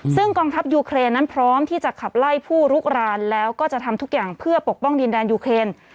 ซึ่งกองทัพยูเครนนั้นพร้อมที่จะขับไล่ผู้ลุกรานแล้วก็จะทำทุกอย่างเพื่อปกป้องดินแดนยูเครน